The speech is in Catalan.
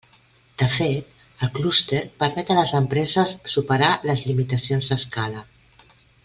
De fet, el clúster permet a les empreses superar les limitacions d'escala.